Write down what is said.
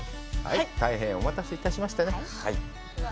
大変お待たせいたしましたね。